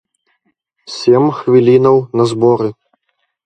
Сем хвілінаў на зборы.